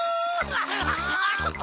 あっそこ！